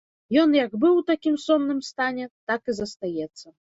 Ён як быў у такім сонным стане, так і застаецца.